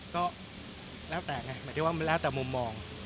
ก็แล้วแต่ไงหมายถึงว่ามันแล้วแต่มุมมอง